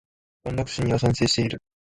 安楽死には賛成している。